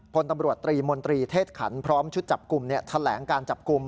พลตำรวจตรีมนตรีเทศขันพร้อมชุดจับกลุ่มแถลงการจับกลุ่ม